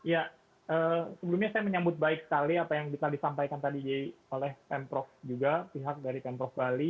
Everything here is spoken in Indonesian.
ya sebelumnya saya menyambut baik sekali apa yang bisa disampaikan tadi oleh pemprov juga pihak dari pemprov bali